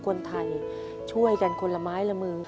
คนไทยช่วยกันคนละไม้ละมือ